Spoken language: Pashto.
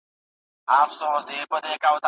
اقتصادي حالت به د سياست په سمون سره ښه سي.